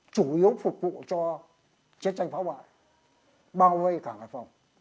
chủ yếu phục vụ cho chiến tranh phá hoại bao vây cảng hải phòng